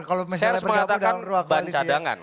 saya harus mengatakan ban cadangan